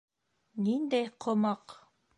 — Ниндәй ҡомаҡ?..